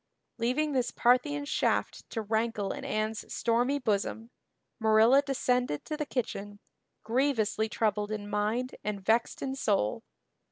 Leaving this Parthian shaft to rankle in Anne's stormy bosom, Marilla descended to the kitchen, grievously troubled in mind and vexed in soul.